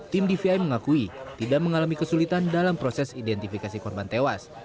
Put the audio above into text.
tim di v i mengakui tidak mengalami kesulitan dalam proses identifikasi korban tewas